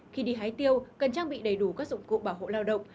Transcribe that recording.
khi đi hái tiêu cần trang bị đầy đủ các dụng cụ bảo hộ lao động